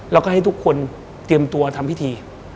แล้วก็ให้ทุกคนเตรียมตัวทำพิธี